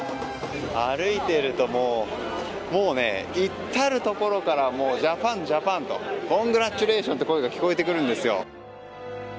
歩いていると、もう至るところからジャパン、ジャパン！とコングラチュレーションという声が聞こえてくるんですよ！